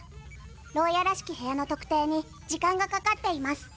牢屋らしき部屋の特定に時間がかかっています。